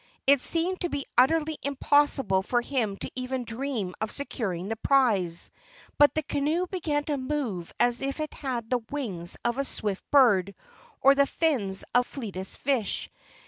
It seemed to be utterly impossible for him to even dream of securing the prize, but the canoe began to move as if it had the wings of a swift bird or the fins of fleetest fish.